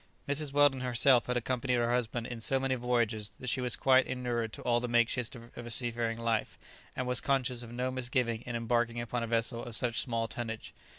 Mrs. Weldon herself had accompanied her husband in so many voyages, that she was quite inured to all the makeshifts of a seafaring life, and was conscious of no misgiving in embarking upon a vessel of such small tonnage.